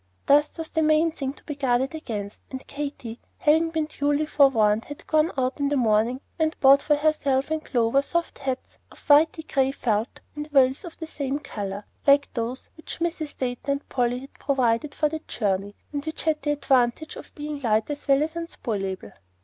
Dust was the main thing to be guarded against, and Katy, having been duly forewarned, had gone out in the morning, and bought for herself and Clover soft hats of whity gray felt and veils of the same color, like those which Mrs. Dayton and Polly had provided for the journey, and which had the advantage of being light as well as unspoilable.